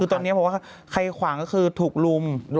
คือตอนนี้บอกว่าใครขวางก็คือถูกลุม